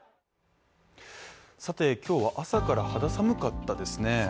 今日は朝から肌寒かったですね